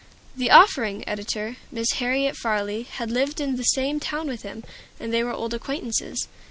The "Offering" editor, Miss Harriet Farley, had lived in the same town with him, and they were old acquaintances.